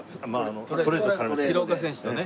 廣岡選手とね。